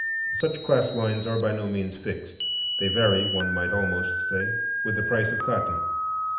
Such class lines are by no means fixed; they vary, one might almost say, with the price of cotton.